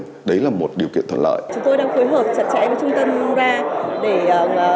chúng tôi đang phối hợp chặt chẽ với trung tâm ra